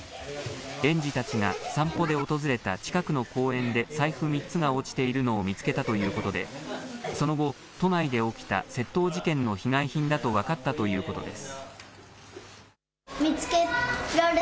園児たちが散歩で訪れた近くの公園で財布３つが落ちているのを見つけたということでその後、都内で起きた窃盗事件の被害品だと分かったということです。